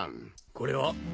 これは？